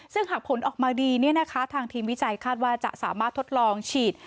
ซึ่งหากผลออกมาดีทางทีมวิจัยคาดว่าจะสามารถทดลองฉีด